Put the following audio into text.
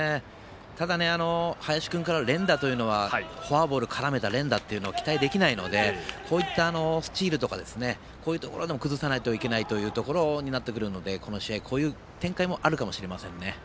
ただ、林君からフォアボール絡めた連打というのは期待できないのでこういったスチールとかこういうところでも崩さないといけないところになってくるのでこの試合、こういうところもあるかもしれませんね。